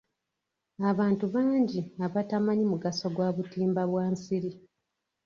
Abantu bangi abatamanyi mugaso gwa butimba bwa nsiri.